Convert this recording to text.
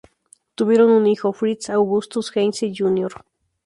Tuvieron un hijo, Fritz Augustus Heinze, Jr.